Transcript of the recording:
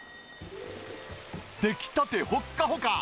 出来たてほっかほか。